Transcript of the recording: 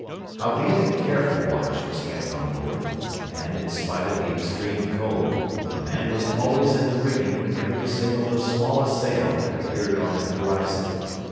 Howbeit a careful watch was kept on board, and, in spite of the extreme cold, a man was always in the rigging ready to signal the smallest sail that appeared on the horizon.